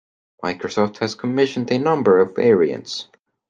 Microsoft has commissioned a number of variants.